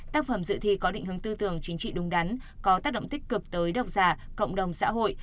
tác phẩm dự thi có định hướng tư tưởng chính trị đúng đắn có tác động tích cực tới độc giả cộng đồng xã hội